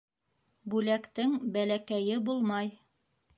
Бүләктең бәләкәйе булмай.